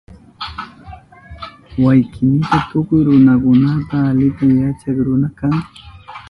Wawkini tukuy ruranakunata alita yachak runa kan